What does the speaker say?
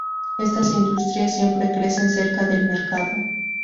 Estas industrias siempre crecen cerca del mercado.